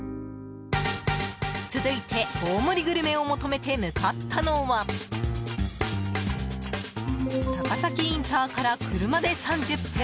続いて、大盛りグルメを求めて向かったのは高崎インターから車で３０分。